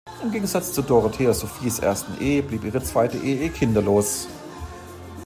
Im Gegensatz zu Dorothea Sophies ersten Ehe blieb ihre zweite Ehe kinderlos.